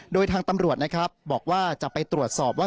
โดยทางตำรวจนะครับบอกว่าจะไปตรวจสอบว่า